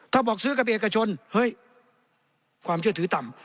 ถ้าบอกซื้อกับเอกชนเฮ้ยความเชื่อถือต่ำ